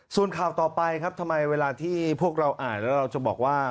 ส่วนข่าวต่อไปครับทำไมเวลาที่พวกเราอ่านแล้วเราจะบอกว่า